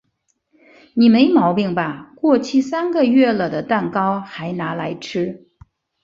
你没毛病吧？过期三个月了的蛋糕嗨拿来吃？